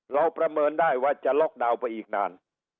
ประเมินได้ว่าจะล็อกดาวน์ไปอีกนาน